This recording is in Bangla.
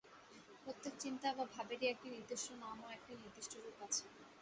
প্রত্যেক চিন্তা বা ভাবেরই একটি নির্দিষ্ট নাম ও একটি নির্দিষ্ট রূপ আছে।